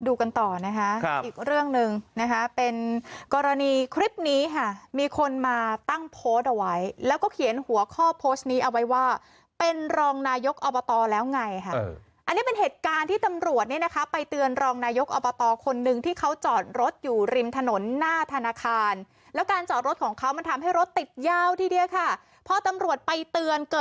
กันต่อนะคะครับอีกเรื่องหนึ่งนะคะเป็นกรณีคลิปนี้ค่ะมีคนมาตั้งโพสต์เอาไว้แล้วก็เขียนหัวข้อโพสต์นี้เอาไว้ว่าเป็นรองนายกอบตแล้วไงค่ะอันนี้เป็นเหตุการณ์ที่ตำรวจเนี่ยนะคะไปเตือนรองนายกอบตคนนึงที่เขาจอดรถอยู่ริมถนนหน้าธนาคารแล้วการจอดรถของเขามันทำให้รถติดยาวทีเดียวค่ะพอตำรวจไปเตือนเกิด